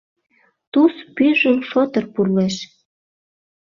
— Туз пӱйжым шотыр пурлеш.